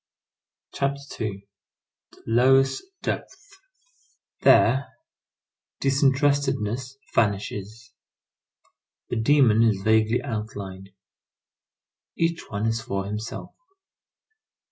CHAPTER II—THE LOWEST DEPTHS There disinterestedness vanishes. The demon is vaguely outlined; each one is for himself.